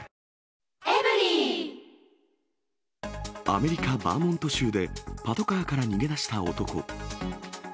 アメリカ・バーモント州でパトカーから逃げ出した男。